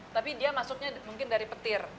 tapi dia masuknya mungkin dari petir